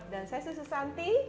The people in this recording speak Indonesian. dan saya susu santi